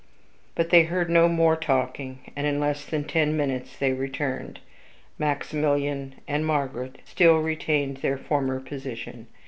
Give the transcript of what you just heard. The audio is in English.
But they heard no more talking, and in less than ten minutes they returned. Maximilian and Margaret still retained their former position.